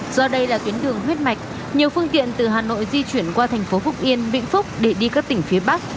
do đây là tuyến đường huyết mạch nhiều phương tiện từ hà nội di chuyển qua thành phố phúc yên vĩnh phúc để đi các tỉnh phía bắc